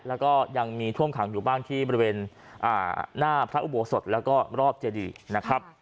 แล้วก็ยังมีท่วมขังอยู่บ้างที่บริเวณหน้าพระอุโบสถแล้วก็รอบเจดีนะครับ